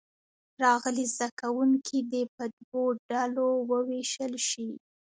راغلي زده کوونکي دې په دوو ډلو ووېشل شي.